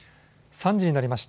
３時になりました。